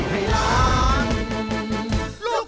ครับ